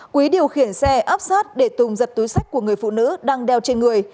quý điều khiển xe áp sát để tùng giật túi sách của người phụ nữ đang đeo trên người